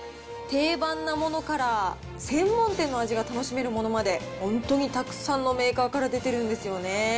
定番のものから、専門店の味が楽しめるものまで、本当にたくさんのメーカーから出てるんですよね。